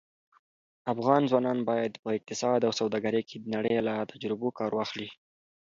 افغان ځوانان باید په اقتصاد او سوداګرۍ کې د نړۍ له تجربو کار واخلي.